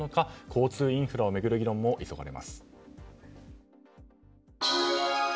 交通インフラを巡る議論も急がれます。